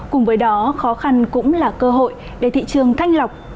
cùng với đó khó khăn cũng là cơ hội để thị trường thanh lọc